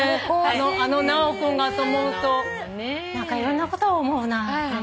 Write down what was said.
あの直君がと思うと何かいろんなことを思うな。